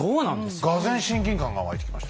がぜん親近感が湧いてきました。